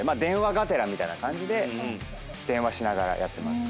みたいな感じで電話しながらやってます。